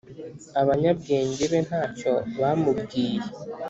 Abanyabwenge be ntacyo bamubwiye.